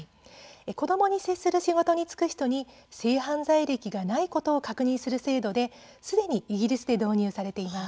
子どもに接する仕事に就く人に性犯罪歴がないことを確認する制度ですでにイギリスで導入されています。